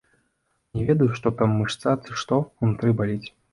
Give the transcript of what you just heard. Не ведаю, што там мышца ці што, унутры баліць.